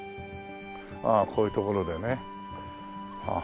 ああこういう所でね。